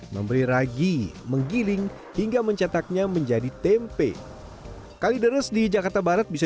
memberi ragi menggiling hingga mencetaknya menjadi tempe kalideres di jakarta barat bisa